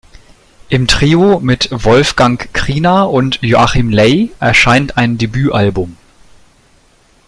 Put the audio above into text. Im Trio mit Wolfgang Kriener und Joachim Leyh erscheint ein Debütalbum.